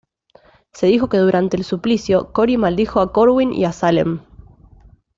Se dijo que durante el suplicio, Corey maldijo a Corwin y a Salem.